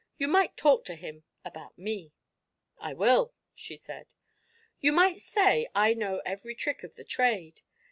Yon might talk to him about me." "I will," she said. "You might say I know every trick of the trade.